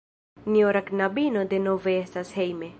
Nia ora knabino denove estas hejme!